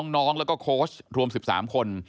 น้องแล้วก็โค้ชรวม๑๓คน